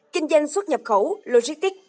kinh doanh xuất nhập khẩu logistic